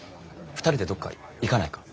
２人でどっか行かないか？